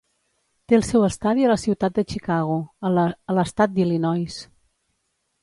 Té el seu estadi a la ciutat de Chicago, a l'estat d'Illinois.